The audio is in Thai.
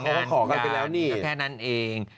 เขาก็ขอกันไปแล้วนี่แค่นั้นเอง